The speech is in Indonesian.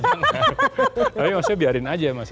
berarti harusnya dipin dong paling atas